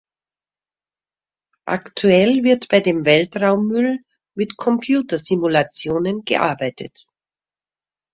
Aktuell wird bei dem Weltraummüll mit Computersimulationen gearbeitet.